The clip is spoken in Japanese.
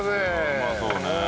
うまそうね。